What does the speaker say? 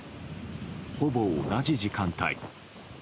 ほぼ同じ時間帯。